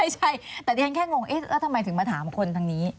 ไม่ใช่แต่ดิฉันแค่งงเอ๊ะแล้วทำไมถึงมาถามคนทางนี้